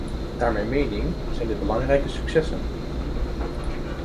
Naar mijn mening zijn dit belangrijke successen.